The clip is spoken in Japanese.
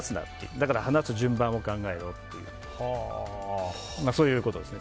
だから話す順番を考えろってそういうことですね。